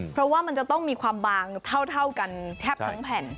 เพราะว่ามันจะต้องมีความบางเท่ากันแทบทั้งแผ่น